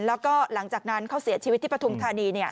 แล้วก็หลังจากนั้นเขาเสียชีวิตที่ปฐุมธานี